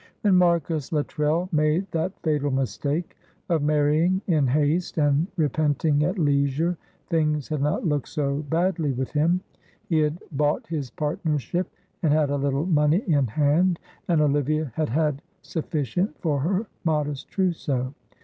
When Marcus Luttrell made that fatal mistake of marrying in haste and repenting at leisure, things had not looked so badly with him. He had bought his partnership and had a little money in hand, and Olivia had had sufficient for her modest trousseau.